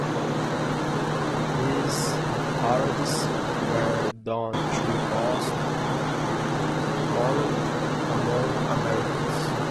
These parades were done to boost morale among Americans.